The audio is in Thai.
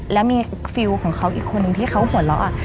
แล้วมีฟิลของเขาอีกคนนึงที่เขาหัวเราะ